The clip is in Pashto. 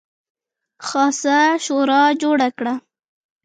خاصه شورا جوړه کړه.